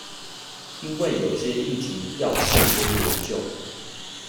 因為有些議題要事先研究